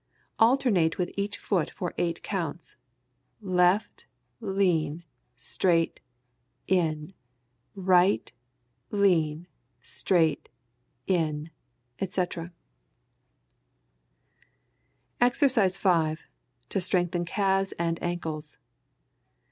Alternate with each foot for eight counts: "left, lean, straight, in; right, lean, straight, in," etc. EXERCISE 5. _To strengthen calves and ankles.